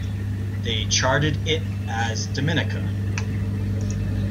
They charted it as "Dominica".